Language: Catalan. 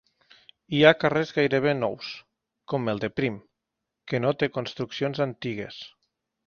Hi ha carrers gairebé nous, com el de Prim, que no té construccions antigues.